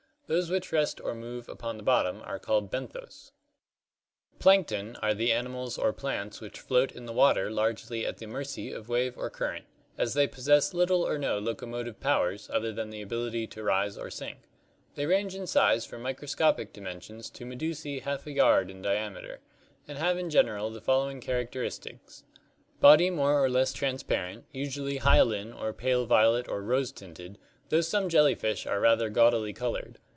Those which rest or move upon the bottom are called benthos. Plankton (Gr. vXayicrds, wandering) are the animals or plants which float in the water largely at the mercy of wave or current, as they possess little or no lo comotive powers other than the ability to rise or sink. They range in size from microscopic dimensions to medusae half a yard in diameter, and have in general the following characteristics: Body more or less transparent, usually hyaline or pale violet or rose tinted, though some jellyfish are rather gaudily colored.